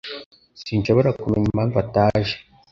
Sinshobora kumenya impamvu ataje.